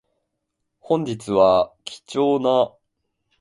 本日は貴重な